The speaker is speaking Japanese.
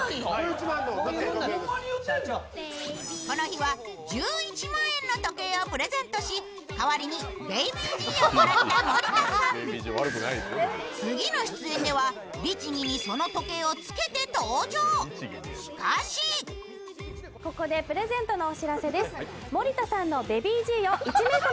この日は１１万円の時計をプレゼントし、代わりにＢＡＢＹ−Ｇの時計をプレゼント。